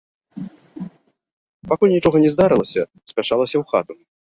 Пакуль нічога не здарылася, спяшалася ў хату.